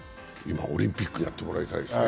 オリンピックに出てもらいたいですね。